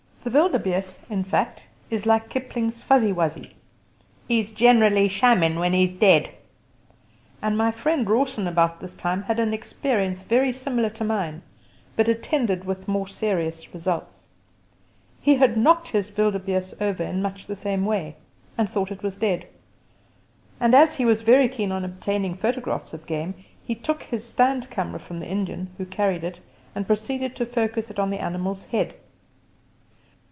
The wildebeeste, in fact, is like Kipling's Fuzzy Wuzzy "'e's generally shammin' when 'e's dead"; and my friend Rawson about this time had an experience very similar to mine, but attended with more serious results. He had knocked his wildebeeste over in much the same way, and thought it was dead; and as he was very keen on obtaining photographs of game, he took his stand camera from the Indian who carried it and proceeded to focus it on the animal's head.